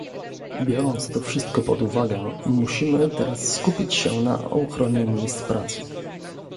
Biorąc to wszystko pod uwagę musimy teraz skupić się na ochronie miejsc pracy